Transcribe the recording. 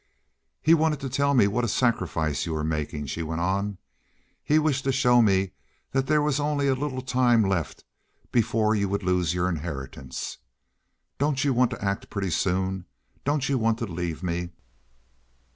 "He wanted to tell me what a sacrifice you are making," she went on. "He wished to show me that there was only a little time left before you would lose your inheritance. Don't you want to act pretty soon? Don't you want to leave me."